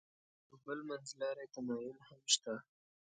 یو بل منځلاری تمایل هم شته.